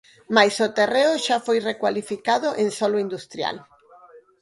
Mais o terreo xa foi recualificado en solo industrial.